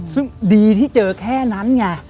ซึ่งดีที่เจอแค่นั้นไง